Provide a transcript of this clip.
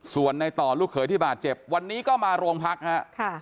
ส่วนในต่อลูกเขยที่บาดเจ็บวันนี้ก็มาโรงพักฮะ